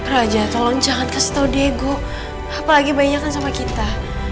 raja tolong jangan kasih tau diego apalagi bayinya kan sama kita